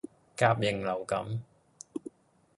甲型流感